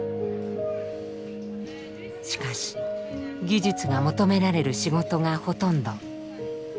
しかし技術が求められる仕事がほとんど。